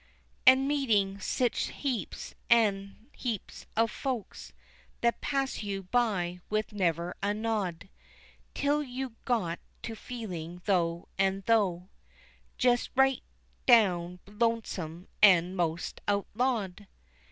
An' meetin' sich heaps, an' heaps of folks, That pass you by with never a nod, Till you got to feelin' through an' through Jest right down lonesome, an, 'most outlawed.